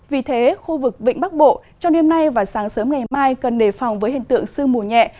vì thế khu vực vịnh bắc bộ trong đêm nay và sáng sớm ngày mai cần đề phòng với hiện tượng sương mù nhẹ